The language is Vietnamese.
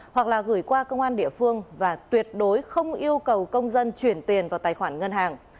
hoặc là gửi qua công an địa phương và tuyệt đối không yêu cầu công dân chuyển tiền vào tài khoản ngân hàng